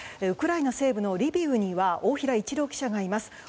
ウクライナ西部のリビウには大平一郎記者がいます。